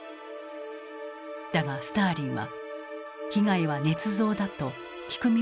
だがスターリンは被害はねつ造だと聞く耳を持たなかった。